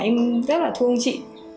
em rất là thương chị